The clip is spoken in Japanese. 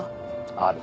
ある。